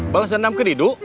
balas dendam ke didu